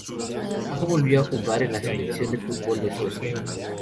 No volvió a jugar en la Selección de fútbol de Suecia.